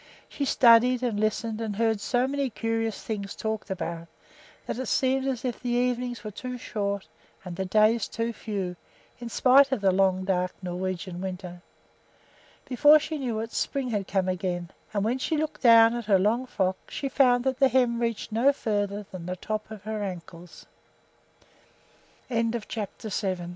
She studied and listened, and heard so many curious things talked about that it seemed as if the evenings were too short and the days too few, in spite of the long, dark Norwegian winter. Before she knew it spring had come again; and when she looked down at her long frock she found that the hem reached no farther than the tops of her ankles. CHAPTER VIII ON GL